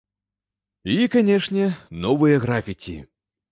І, канечне, новыя графіці!